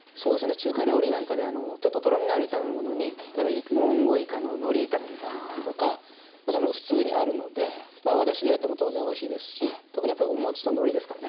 中華料理なんかでちょっととろみのある炒め物に例えばモンゴウイカののり炒めみたいなものとかそういうものが普通にあるのでまあ和だしでやっても当然おいしいですし特にやっぱりお餅とのりですからね。